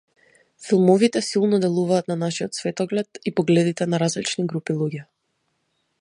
Филмовите силно делуваат на нашиот светоглед и погледите на различни групи луѓе.